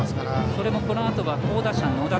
それも、このあとは好打者の野田。